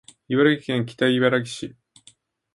茨城県北茨城市